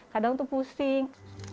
kadang tuh pusing